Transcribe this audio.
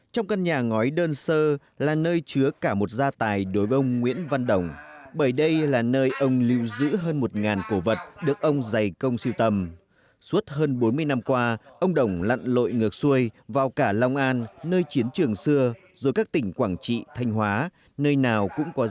cựu chiến binh nguyễn văn đồng ở xã lý nhân huyện vĩnh tường tỉnh vĩnh phúc